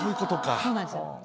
そうなんですよ。